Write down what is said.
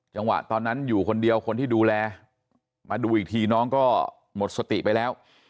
ตอนนั้นอยู่คนเดียวคนที่ดูแลมาดูอีกทีน้องก็หมดสติไปแล้ว